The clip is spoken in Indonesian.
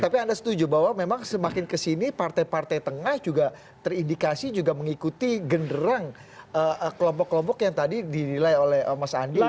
tapi anda setuju bahwa memang semakin kesini partai partai tengah juga terindikasi juga mengikuti genderang kelompok kelompok yang tadi dinilai oleh mas andi